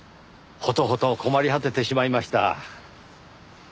ほとほと困り果ててしまいました。